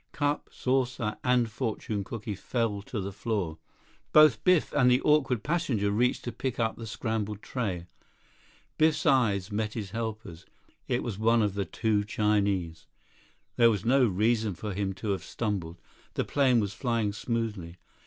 Cup, saucer, and fortune cooky fell to the floor. Both Biff and the awkward passenger reached to pick up the scrambled tray. Biff's eyes met his helper's—it was one of the two Chinese! There was no reason for him to have stumbled. The plane was flying smoothly.